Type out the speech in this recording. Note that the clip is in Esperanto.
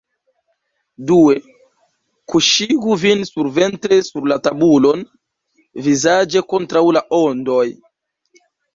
Due: kuŝigu vin surventre sur la tabulon, vizaĝe kontraŭ la ondoj.